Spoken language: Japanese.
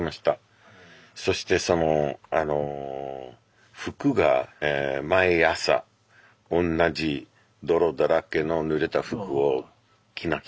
そしてその服が毎朝おんなじ泥だらけのぬれた服を着なきゃなんなかったんですよね。